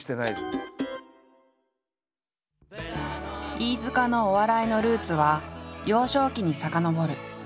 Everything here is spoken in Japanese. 飯塚のお笑いのルーツは幼少期に遡る。